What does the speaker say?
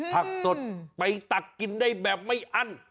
ผักสดไปตักกินได้แบบไม่อั้น